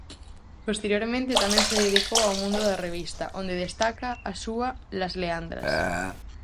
Posteriormente, tamén se dedicou ao mundo da revista, onde destaca a súa "Las Leandras".